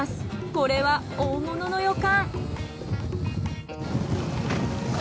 これは大物の予感。